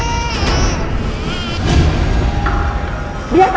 reset dulu kan